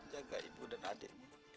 jaga ibu dan adikmu